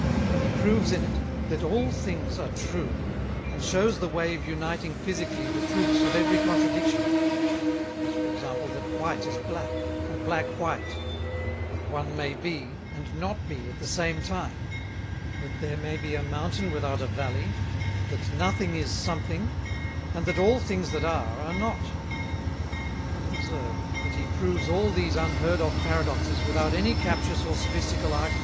He proves in it that all things are true, and shews the way of uniting Physically the Truths of every Contradiction; as, for Example, That White is Black, and Black White; that one may be, and not be at the same time; that there may be a Mountain without a Valley; that nothing is something, and that all things that are, are not; but observe, that he proves all these unheard of Paradoxes without any Captious or Sophistical Argument."